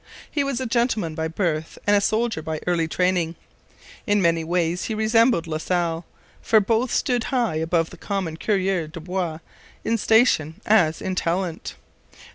He was a gentleman by birth and a soldier by early training. In many ways he resembled La Salle, for both stood high above the common coureurs de bois in station, as in talent.